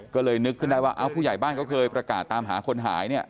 ก็เลยนึกขึ้นได้ว่าผู้ใหญ่บ้านเขาเคยประกาศตามหาคนหายเนี่ย